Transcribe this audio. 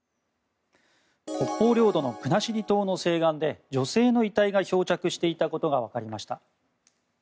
北方領土の国後島の西岸で女性の遺体が漂着していたことが分かりました。